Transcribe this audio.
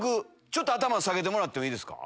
ちょっと頭下げてもらってもいいですか。